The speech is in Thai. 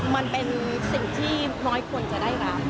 มันเป็นสิ่งที่น้อยควรจะได้รับ